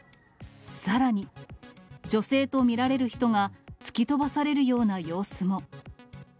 さらに、女性と見られる人が、突き飛ばされるような様子も。